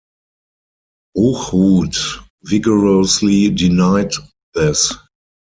Hochhuth vigorously denied this.